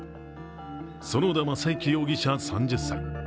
園田雅之容疑者３０歳。